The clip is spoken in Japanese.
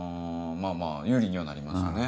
まぁまぁ有利にはなりますよね。